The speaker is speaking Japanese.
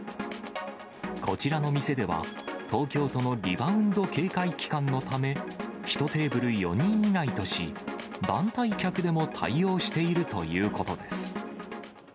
こちらの店では、東京都のリバウンド警戒期間のため、１テーブル４人以内とし、団体客でも対応しているということです。